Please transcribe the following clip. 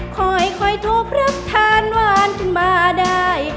คอยคอยถูกรับทานหวานขึ้นมาได้